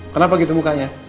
kenapa gitu mukanya